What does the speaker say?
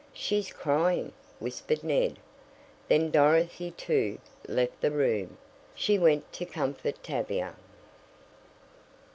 "She's crying!" whispered Ned. Then Dorothy, too, left the room. She went to comfort Tavia.